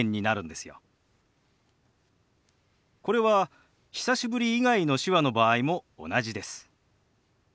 これは「久しぶり」以外の手話の場合も同じです。